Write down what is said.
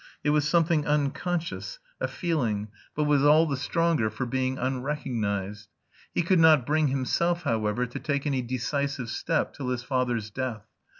It was something unconscious, a feeling; but was all the stronger for being unrecognised. He could not bring himself, however, to take any decisive step till his father's death.